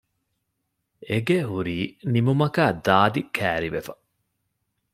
އެގެ ހުރީ ނިމުމަކާ ދާދި ކައިރިވެފަ